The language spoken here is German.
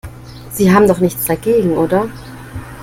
Sie haben doch nichts dagegen, oder?